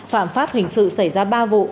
phạm pháp hình sự xảy ra ba vụ